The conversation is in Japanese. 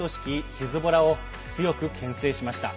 ヒズボラを強くけん制しました。